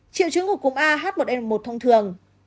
triệu chứng của cúm ah một n một thông thường